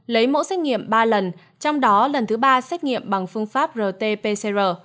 lấy mẫu xét nghiệm ba lần trong đó lần thứ ba xét nghiệm bằng phương pháp rt pcr